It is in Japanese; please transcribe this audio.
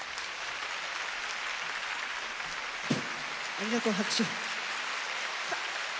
ありがとう拍手。